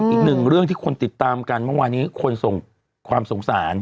อีกหนึ่งเรื่องที่คนติดตามกันเมื่อวานนี้คนส่งความสงสาร